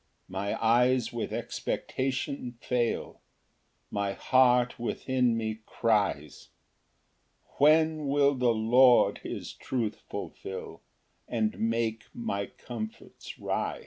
4 My eyes with expectation fail, My heart within me cries, "When will the Lord his truth fulfil, "And make my comforts rise?"